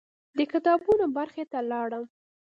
د کتابونو برخې ته لاړم.